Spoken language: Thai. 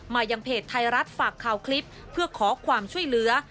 ยังเพจไทยรัฐฝากข่าวคลิปเพื่อขอความช่วยเหลือ